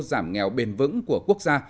giảm nghèo bền vững của quốc gia